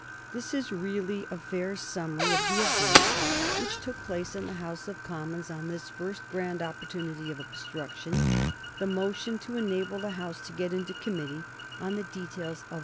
This is really a fair summary of the events which took place in the House of Commons on this first grand opportunity of obstruction, the motion to enable the House to get into committee on the details of the Reform Bill.